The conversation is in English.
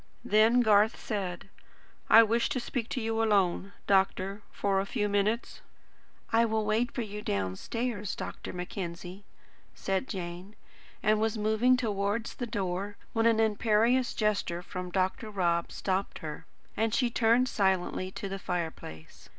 Then Garth said: "I wish to speak to you alone, doctor, for a few minutes." "I will wait for you downstairs, Dr. Mackenzie," said Jane, and was moving towards the door, when an imperious gesture from Dr. Rob stopped her, and she turned silently to the fireplace.